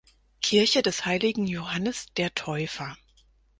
Kirche des heiligen Johannes der Täufer